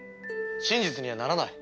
真実にはならない。